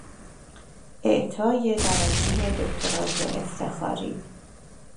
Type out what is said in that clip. اعطای درجهی دکترای افتخاری